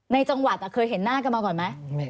ในจังหวัดเคยเห็นหน้ากันมาก่อนไหม